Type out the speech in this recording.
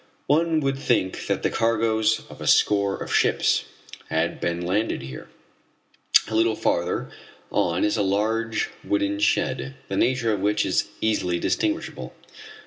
One would think that the cargoes of a score of ships had been landed here. A little farther on is a large wooden shed the nature of which is easily distinguishable.